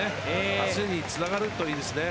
明日につながるといいですね。